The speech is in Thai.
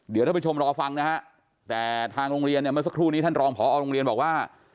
เดี๋ยวท่านผู้ชมรอฟังนะฮะแต่ทางโรงเรียนเนี่ยเมื่อสักครู่นี้ท่านรองพอโรงเรียนบอกว่า